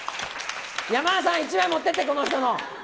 山田さん、１枚持ってって、この人の。